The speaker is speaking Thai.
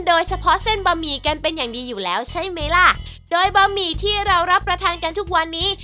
โดยเฉพาะเส้นบะหมี่กันเป็นอย่างดีอยู่แล้วใช่ไหมล่ะโดยบะหมี่ที่เรารับประทานกันทุกวันนี้